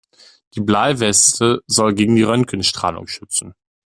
Die Bleiweste soll gegen die Röntgenstrahlung schützen.